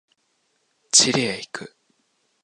チリへ行く。